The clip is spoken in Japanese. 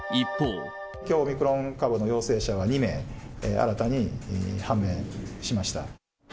きょう、オミクロン株の陽性者は２名新たに判明しました。